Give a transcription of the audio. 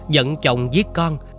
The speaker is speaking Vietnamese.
dẫn chồng giết con